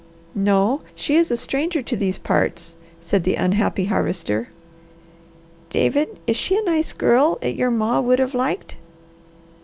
"No. She is a stranger to these parts," said the unhappy Harvester. "David, is she a nice girl 'at your ma would have liked?"